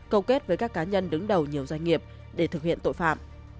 câu kết với các cá nhân đứng đầu nhiều doanh nghiệp để thực hiện tội phạm